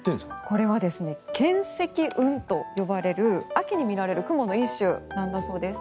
これは巻積雲と呼ばれる秋に見られる雲の一種なんだそうです。